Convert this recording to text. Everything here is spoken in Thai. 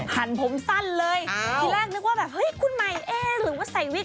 หันผมสั้นเลยทีแรกนึกว่าแบบเฮ้ยคุณใหม่เอ๊หรือว่าใส่วิก